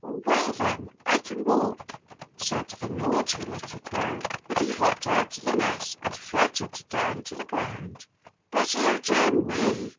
"Well, then, I can walk," said the naughty little crow, and he hopped out of the nest and fluttered down to the ground. But, Oh dear me!